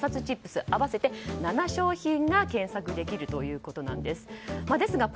チップス合わせて７商品が検索できるということなんです。